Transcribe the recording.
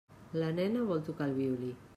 La nena vol tocar el violí.